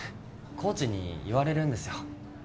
コーチに言われるんですよ